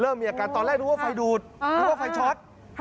เริ่มมีอาการตอนแรกรู้ว่าไฟดูดรู้ว่าไฟช็อต